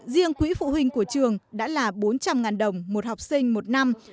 riêng quỹ phụ huynh của trường đã là bốn trăm linh đồng một học sinh một năm